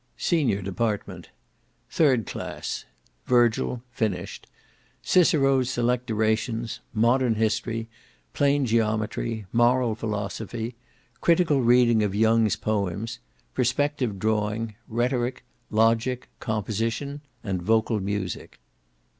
SENIOR DEPARTMENT Third Class Virgil, (finished); Cicero's Select Orations; Modern History; Plane Geometry; Moral Philosophy; Critical Reading of Young's Poems; Perspective Drawing; Rhetoric; Logic, Composition, and Vocal Music.